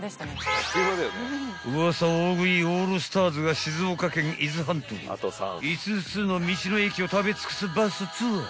［ウワサ大食いオールスターズが静岡県伊豆半島５つの道の駅を食べ尽くすバスツアー］